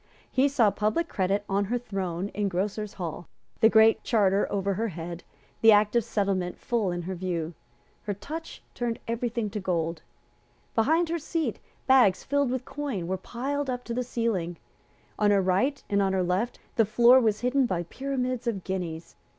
He saw Public Credit on her throne in Grocers' Hall, the Great Charter over her head, the Act of Settlement full in her view. Her touch turned every thing to gold. Behind her seat, bags filled with coin were piled up to the ceiling. On her right and on her left the floor was hidden by pyramids of guineas.